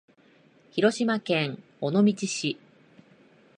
広島県尾道市